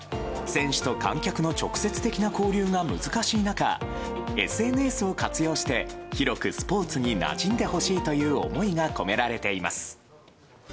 選手と観客の直接的な交流が難しい中ＳＮＳを活用して広くスポーツになじんでほしいという思いが込められています。